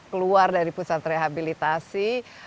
keluar dari pusat rehabilitasi